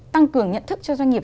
tăng cường nhận thức cho doanh nghiệp